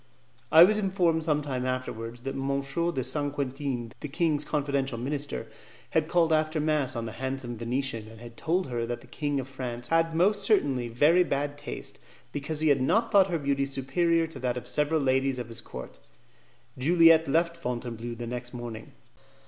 I was informed some time afterwards that M. de Saint Quentin, the king's confidential minister, had called after mass on the handsome Venetian, and had told her that the king of France had most certainly very bad taste, because he had not thought her beauty superior to that of several ladies of his court. Juliette left Fontainebleau the next morning.